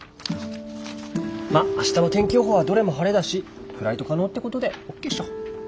まっ明日の天気予報はどれも晴れだしフライト可能ってことでオッケーっしょ。